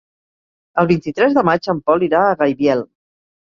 El vint-i-tres de maig en Pol irà a Gaibiel.